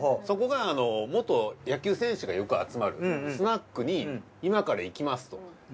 そこが元野球選手がよく集まるスナックに今から行きますと。